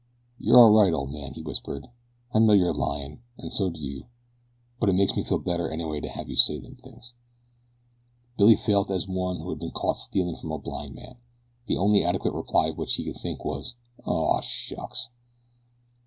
"You're all right, old man," he whispered. "I know you're lyin' an' so do you; but it makes me feel better anyway to have you say them things." Billy felt as one who has been caught stealing from a blind man. The only adequate reply of which he could think was, "Aw, shucks!"